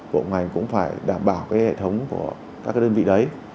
bộ ngành cũng phải đảm bảo cái hệ thống của các đơn vị đấy